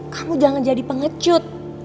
kamu jangan jadi pengecut